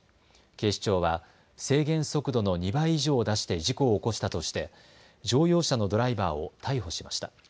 警視庁は制限速度の２倍以上を出して事故を起こしたとして乗用車のドライバーを逮捕しました。